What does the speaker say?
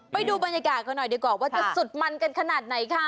ไปดูบรรยากาศกันหน่อยดีกว่าว่าจะสุดมันกันขนาดไหนค่ะ